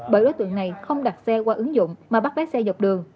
bởi đối tượng này không đặt xe qua ứng dụng mà bắt bé xe dọc đường